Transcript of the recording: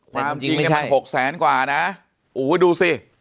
ความจริงเนี่ยมันหกแสนกว่านะโอ้โหดูสิ